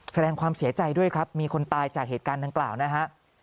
แสดงความเสียใจด้วยครับมีคนตายจากเหตุการณ์ดังกล่าวนะฮะ